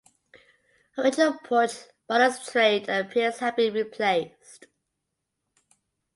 Original porch balustrade and piers have been replaced.